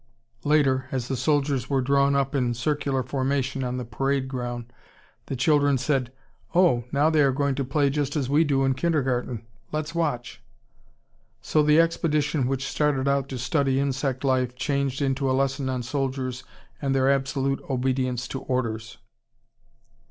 Later as the soldiers were drawn up in circular formation on the parade ground, the children said, "Oh, now they are going to play just as we do in kindergarten, let's watch!" So the expedition which started out to study insect life changed into a lesson on soldiers and their absolute obedience to orders.